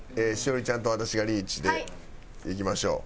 栞里ちゃんと私がリーチでいきましょう。